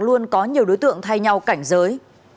luôn có nhiều đối tượng thay nhau cảnh giới